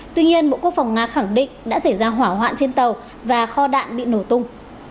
tuy nhiên bộ quốc phòng nga khẳng định đã xảy ra hỏa hoạn trên tàu và kho đạn bị nổ tung